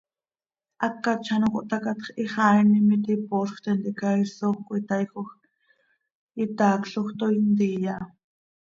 Hacat z ano cohtácatx, hixaainim iti, poosj tintica isoj cöitaaijoj, itaacloj, toii ntiya.